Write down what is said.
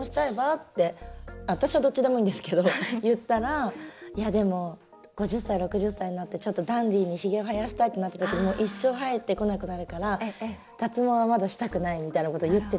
って私はどっちでもいいんですけど言ったらいや、でも５０歳６０歳になってちょっとダンディーにひげを生やしたいってなった時にもう一生、生えてこなくなるから脱毛は、まだしたくないみたいなこと言ってて。